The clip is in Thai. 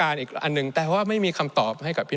ในช่วงที่สุดในรอบ๑๖ปี